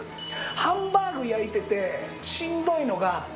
ハンバーグ焼いててしんどいのが油はね。